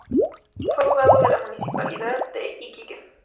Fue abogado de la Municipalidad de Iquique.